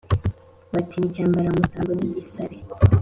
Bati: "Ni Cyambaramusango ni gisare